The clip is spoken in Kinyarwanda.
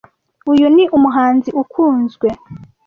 Uyu ni umuhanzi ukunzwe.